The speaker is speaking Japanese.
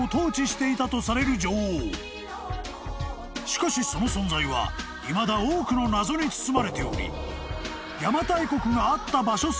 ［しかしその存在はいまだ多くの謎に包まれており］